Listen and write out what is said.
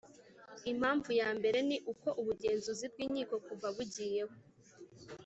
Impamvu ya mbere ni uko Ubugenzuzi bw’inkiko kuva bugiyeho